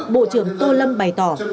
bộ trưởng tô lâm bày tỏ